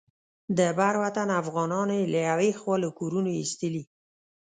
د بر وطن افغانان یې له یوې خوا له کورونو ایستلي.